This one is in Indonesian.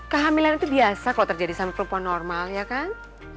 kehamilan itu biasa kalau terjadi sama perempuan normal ya kan